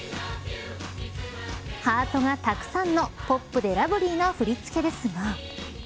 ハートがたくさんのポップでラブリーな振り付けですが。